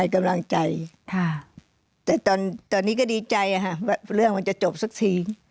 กำลังใจแต่ตอนนี้ก็ดีใจว่าเรื่องมันจะจบสักที